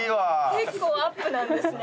結構アップなんですね。